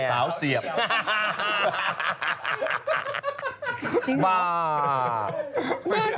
ตรงเลยล่าสุดมีคอมเมนต์วิจารณ์รูปภาพของเธอ